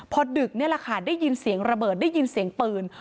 พอดึกนี่แหละค่ะได้ยินเสียงระเบิดได้ยินเสียงปืน